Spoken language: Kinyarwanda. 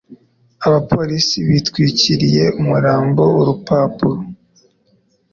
Abapolisi bitwikiriye umurambo urupapuro.